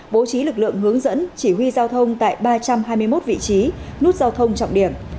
bố trí lực lượng hướng dẫn chỉ huy giao thông tại ba trăm hai mươi một vị trí nút giao thông trọng điểm